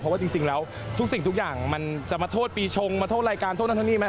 เพราะว่าจริงแล้วทุกสิ่งทุกอย่างมันจะมาโทษปีชงมาโทษรายการโทษนั่นเท่านี้ไหม